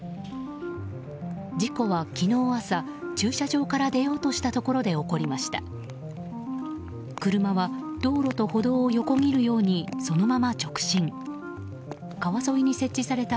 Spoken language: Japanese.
事故は昨日朝駐車場から出ようとしたところで起こりました。